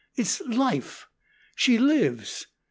It's life. She lives.